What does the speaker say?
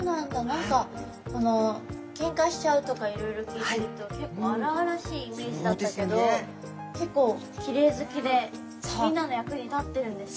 何かケンカしちゃうとかいろいろ聞いてると結構荒々しいイメージだったけど結構キレイ好きでみんなの役に立ってるんですね。